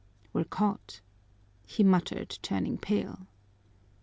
"We're caught!" he muttered, turning pale.